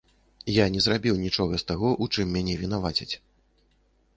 Я не зрабіў нічога з таго, у чым мяне вінавацяць.